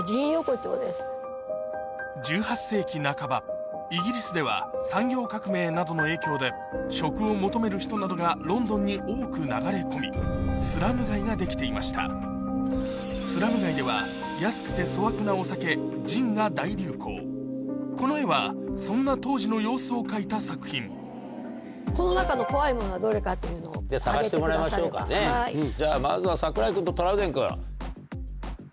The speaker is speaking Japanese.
１８世紀半ばイギリスでは産業革命などの影響で職を求める人などがロンドンに多く流れ込みスラム街ができていましたスラム街では安くてこの絵はそんな当時の様子を描いた作品探してもらいましょうかねじゃあまずは櫻井君とトラウデン君。